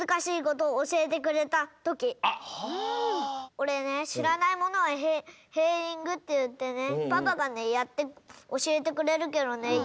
おれねしらないものはヘディングっていってねパパがねやっておしえてくれるけどね